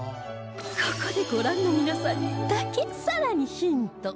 ここでご覧の皆さんにだけ更にヒント